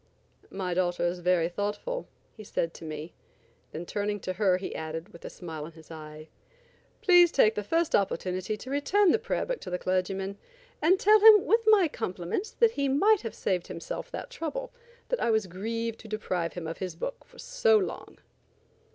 "My daughter is very thoughtful," he said to me, then turning to her he added, with a smile in his eye, "Please take the first opportunity to return the prayer book to the clergyman, and tell him, with my compliments, that he might have saved himself that trouble; that I was grieved to deprive him of his book for so long."